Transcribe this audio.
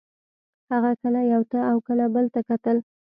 هغه کله یو ته او کله بل ته کتل